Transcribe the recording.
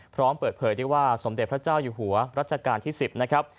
พร้อมเปิดเผยได้ว่าสมเด็จพระเจ้าอยู่หัวรัชกาลที่๑๐นะครับ